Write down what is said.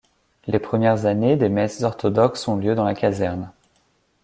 Les premières années, des messes orthodoxes ont lieu dans la caserne.